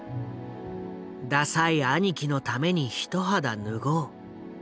ダサイ兄貴のために一肌脱ごう。